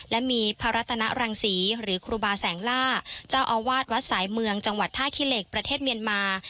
และมีพระรัตนรังศรีหรือครูบาแสงล่าเจ้าอาวาสวัดสายเมืองจังหวัดท่าขี้เหล็กประเทศเมียนมา